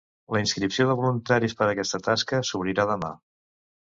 Les inscripcions de voluntaris per a aquesta tasca s’obrirà demà.